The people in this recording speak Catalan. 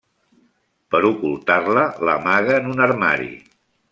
Per ocultar-la, l'amaga en un armari.